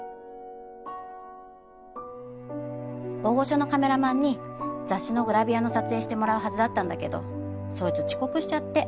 大御所のカメラマンに雑誌のグラビアの撮影してもらうはずだったんだけどそいつ遅刻しちゃって。